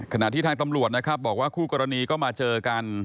ขณะที่ทางตำรวจนะครับบอกว่าคู่กรณีก็มาเจอกัน